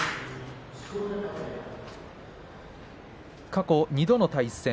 過去２度の対戦。